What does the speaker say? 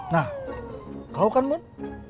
nah kau kan bun